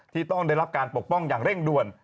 ที่ต้องได้รับการปกป้องอย่างเร่งด่วน